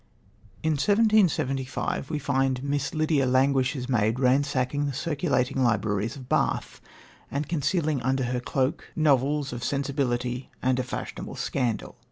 In 1775 we find Miss Lydia Languish's maid ransacking the circulating libraries of Bath, and concealing under her cloak novels of sensibility and of fashionable scandal.